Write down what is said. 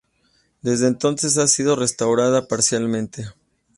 Desde entonces ha sido restaurada parcialmente.